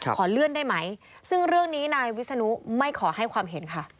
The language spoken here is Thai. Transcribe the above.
ขอเลื่อนได้ไหมซึ่งเรื่องนี้นายวิศนุไม่ขอให้ความเห็นค่ะ